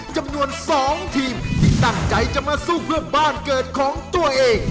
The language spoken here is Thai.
จำนวน๒ทีมที่ตั้งใจจะมาสู้เพื่อบ้านเกิดของตัวเอง